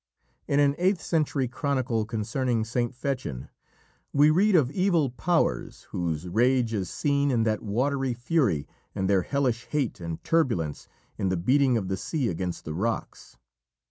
In an eighth century chronicle concerning St. Fechin, we read of evil powers whose rage is "seen in that watery fury and their hellish hate and turbulence in the beating of the sea against the rocks."